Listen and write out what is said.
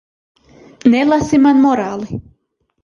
Nelasi man morāli.